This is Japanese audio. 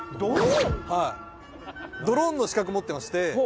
ドローンの資格持ってまして。